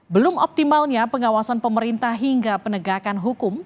belum optimalnya pengawasan pemerintah hingga penegakan hukum